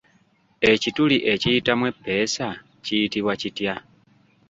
Ekituli ekiyitamu eppeesa kiyitibwa kitya?